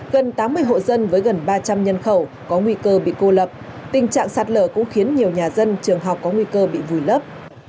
gần tám mươi hộ dân với gần ba trăm linh nhân khẩu có nguy cơ bị cô lập tình trạng sạt lở cũng khiến nhiều nhà dân trường học có nguy cơ bị vùi lấp